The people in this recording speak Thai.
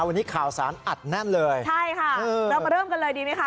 วันนี้ข่าวสารอัดแน่นเลยใช่ค่ะเรามาเริ่มกันเลยดีไหมคะ